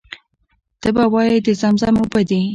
ته به وایې د زمزم اوبه دي.